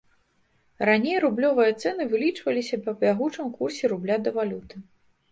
Раней рублёвыя цэны вылічваліся па бягучым курсе рубля да валюты.